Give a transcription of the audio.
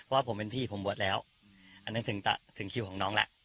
ว่าผมเป็นพี่ผมบวชแล้วอันนั้นถึงคิวของน้องแล้ว